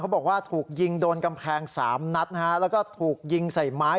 บอกว่าถูกยิงโดนกำแพงสามนัดนะฮะแล้วก็ถูกยิงใส่ไม้